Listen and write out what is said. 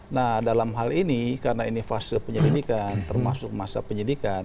nah dalam hal ini karena ini fase penyelidikan termasuk masa penyidikan